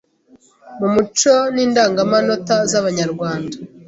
mu muco n’indangamanota z’Abanyarwanda,